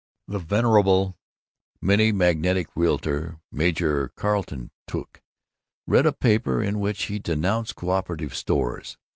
The venerable Minnemagantic realtor, Major Carlton Tuke, read a paper in which he denounced coöperative stores.